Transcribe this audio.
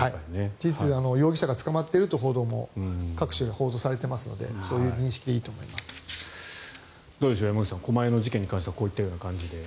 事実、容疑者が捕まっているということも各紙、報道されているのでどうでしょう、山口さん狛江の事件に関してはこのような感じです。